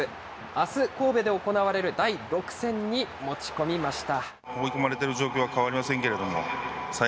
あす、神戸で行われる第６戦に持ち込みました。